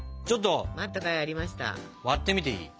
ちょっと割ってみていい？